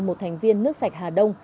một thành viên nước sạch hà đông